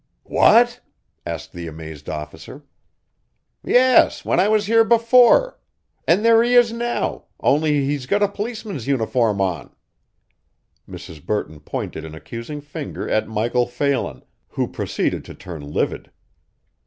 "What?" asked the amazed officer. "Yes, when I was here before, and there he is now, only he's got a policeman's uniform on." Mrs. Burton pointed an accusing finger at Michael Phelan, who proceeded to turn livid.